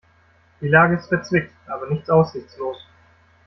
Die Lage ist verzwickt aber nicht aussichtslos.